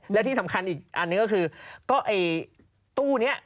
และที่สำคัญอีกอันหนึ่งก็คือก็ไอ้ตู้นี้